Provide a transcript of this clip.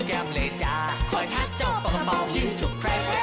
เฮ้เค้าว่าเป็นคนคออ่อน